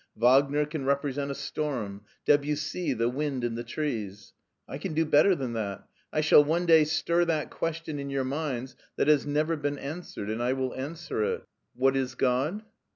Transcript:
Wagner can represent a storm, Debussy the wind in the trees. I can do better than that. I shall one day stir that question in your minds that has never been answered, and I will answer it." "What is God?"